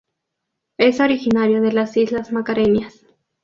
Es originario de las Islas Mascareñas.